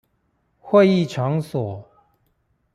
會議場所